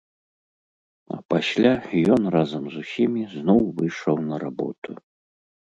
А пасля ён разам з усімі зноў выйшаў на работу.